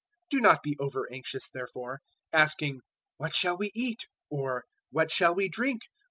006:031 Do not be over anxious, therefore, asking `What shall we eat?' or `What shall we drink?'